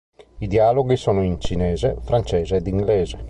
Il dialoghi sono in cinese, francese ed inglese.